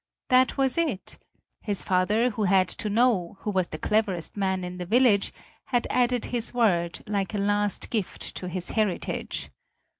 That was it; his father, who had to know, who was the cleverest man in the village, had added his word, like a last gift to his heritage.